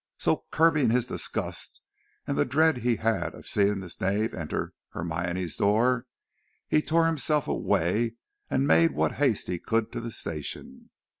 So curbing his disgust and the dread he had of seeing this knave enter Hermione's door, he tore himself away and made what haste he could to the station.